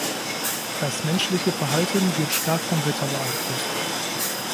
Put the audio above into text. Das menschliche Verhalten wird stark vom Wetter beeinflusst.